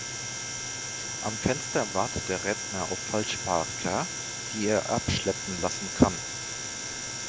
Am Fenster wartet der Rentner auf Falschparker, die er abschleppen lassen kann.